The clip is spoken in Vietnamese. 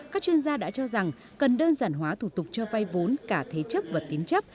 các chuyên gia đã cho rằng cần đơn giản hóa thủ tục cho vay vốn cả thế chấp và tín chấp